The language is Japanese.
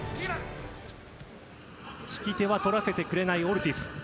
利き手は取らせてくれないオルティス。